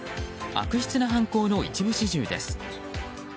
悪質な犯行の一部始終です。